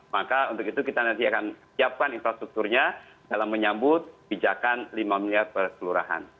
maka untuk itu kita nanti akan siapkan infrastrukturnya dalam menyambut bijakan lima miliar per kelurahan